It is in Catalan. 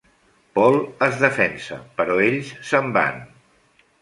Paul es defensa, però ells se'n van.